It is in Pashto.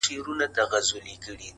• تر نظر يې تېروله ټول كونجونه,